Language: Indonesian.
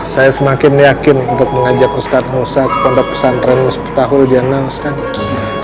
saya semakin yakin untuk mengajak ustaz musa ke kontak pesantren seputar hujanan ustaz